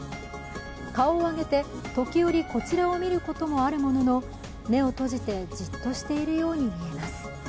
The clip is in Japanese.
顔を上げて、時折、こちらを見ることもあるものの目を閉じて、じっとしているように見えます。